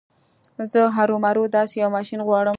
زه هرو مرو داسې يو ماشين غواړم.